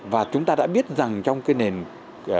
và chúng ta đã biết rằng trong cái nền kinh doanh